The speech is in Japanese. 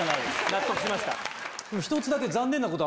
納得しました。